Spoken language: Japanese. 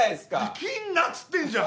切んなっつってんじゃん！